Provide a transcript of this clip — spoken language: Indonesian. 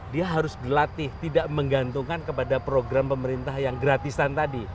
dia harus dilatih tidak menggantungkan kepada program pemerintah yang gratisan tadi